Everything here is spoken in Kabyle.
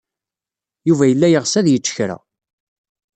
Yuba yella yeɣs ad yečč kra.